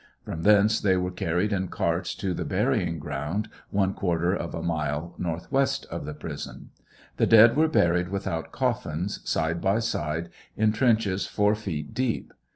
Prom thence they were carried in carts to the burying ground, one quarter of a mile, northwest of the prison. The dead were buried without coffins, side by side, in trenches four feet deep.